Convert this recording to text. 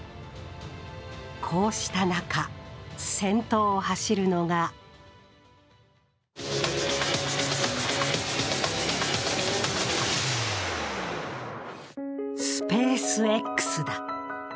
こうした中、先頭を走るのがスペースＸだ。